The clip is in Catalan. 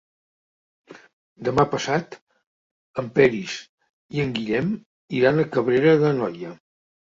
Demà passat en Peris i en Guillem iran a Cabrera d'Anoia.